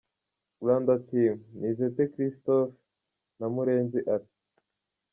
Rwanda Team: Nizette Christophe& Murenzi Alain.